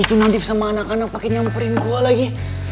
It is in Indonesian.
itu nadif sama anak anak pake nyamperin gue lagi